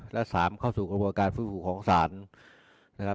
และ๓เข้าสู่กระบวนการฟื้นฟูของศาลนะครับ